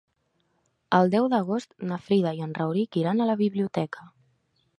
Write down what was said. El deu d'agost na Frida i en Rauric iran a la biblioteca.